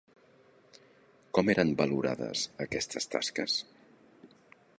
Com eren valorades aquestes tasques?